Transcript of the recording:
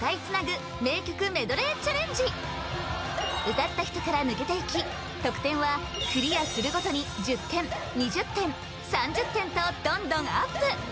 歌った人から抜けていき得点はクリアするごとに１０点２０点３０点とどんどんＵＰ！